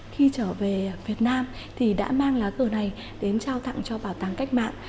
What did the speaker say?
khi trở về việt nam thì đã mang lá cờ này đến trao tặng cho bảo tàng cách mạng